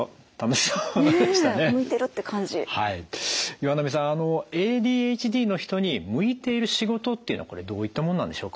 岩波さんあのＡＤＨＤの人に向いている仕事っていうのはこれどういったものなんでしょうか。